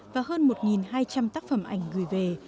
và hơn một hai trăm linh tác phẩm ảnh gửi về